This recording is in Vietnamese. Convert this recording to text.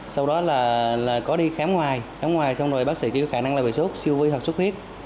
sau đó là có đi khám ngoài khám ngoài xong rồi bác sĩ kêu khả năng là bị sốt siêu vi hoặc sốt huyết